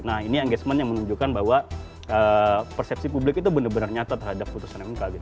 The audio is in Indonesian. nah ini engagement yang menunjukkan bahwa persepsi publik itu benar benar nyata terhadap putusan mk